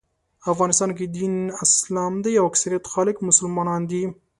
افغانستان کې دین اسلام دی او اکثریت خلک مسلمانان دي.